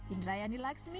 indra yani laxmi sleman